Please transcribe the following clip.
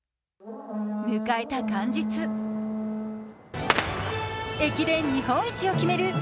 迎えた元日、駅伝日本一を決める